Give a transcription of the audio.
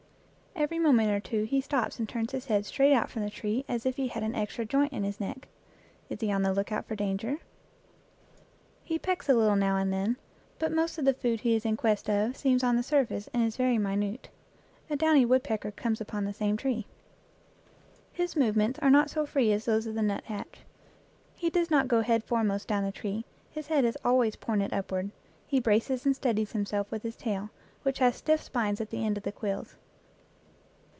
Every moment or two he stops and turns his head straight out from the tree as if he had an extra joint in his neck. Is he on the lookout for danger? He pecks a little now and then, but most of the food he is in quest of seems on the surface and is very minute. A downy woodpecker comes upon the same tree. His movements are not so free as those of the nut hatch. He does not go head foremost down the tree; his head is always pointed upward. He braces and steadies himself with his tail, which has stiff spines at the ends of the quills.